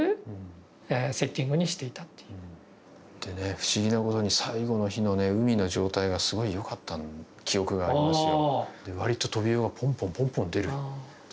不思議なことに最後の日の海の状態がすごいよかった記憶がありますよ。